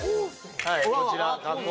はいこちら加工